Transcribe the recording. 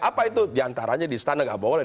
apa itu di antaranya di istana nggak boleh